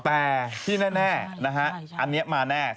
แต่ที่แน่นะฮะอันนี้มาแน่